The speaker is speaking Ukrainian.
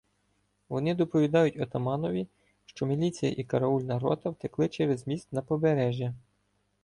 Вони доповідають отаманові, що міліція і караульна рота втекли через міст на Побережжя.